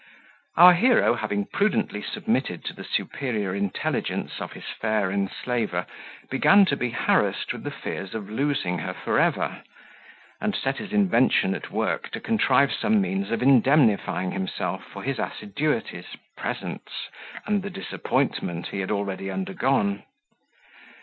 Our hero having prudently submitted to the superior intelligence of his fair enslaver, began to be harassed with the fears of losing her for ever; and set his invention at work, to contrive some means of indemnifying himself for his assiduities, presents, and the disappointment he had already undergone.